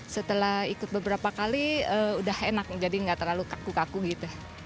setelah ikut beberapa kali udah enak jadi nggak terlalu kaku kaku gitu